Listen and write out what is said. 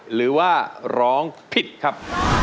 หรือว่าร้องผิดครับ